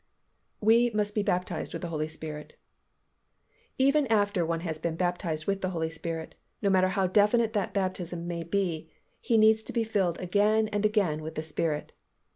WE MUST BE BAPTISED WITH THE HOLY SPIRIT. Even after one has been baptized with the Holy Spirit, no matter how definite that baptism may be, he needs to be filled again and again with the Spirit.